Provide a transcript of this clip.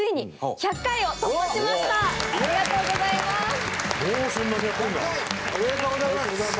１００回おめでとうございます！